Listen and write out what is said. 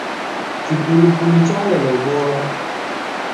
Kipulupulu chawelowolwa